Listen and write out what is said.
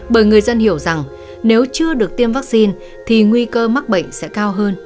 bởi người dân hiểu rằng nếu chưa được tiêm vaccine thì nguy cơ mắc bệnh sẽ cao hơn